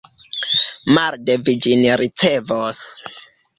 Marde vi ĝin ricevos.